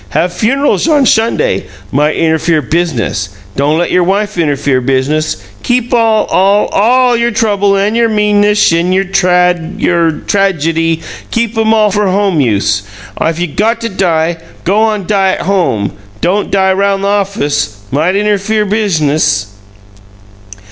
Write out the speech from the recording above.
Have funerals on Sunday might innerfere business! Don' let your wife innerfere business! Keep all, all, ALL your trouble an' your meanness, an' your trad your tradegy keep 'em ALL for home use! If you got die, go on die 't home don' die round th' office! Might innerfere business!"